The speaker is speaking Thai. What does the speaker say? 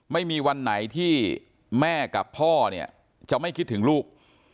ไม่มีวันไหนที่แม่กับพ่อเนี่ยจะไม่คิดถึงลูก